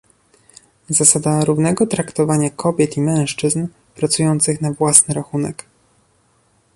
Zasada równego traktowania kobiet i mężczyzn pracujących na własny rachunek